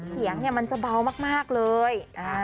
เสียงเนี่ยมันจะเบามากเลย